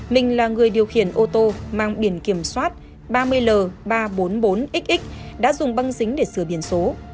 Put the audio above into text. mình là người điều khiển ô tô mang biển kiểm soát ba mươi l ba trăm bốn mươi bốn xx đã dùng băng dính để sửa biển số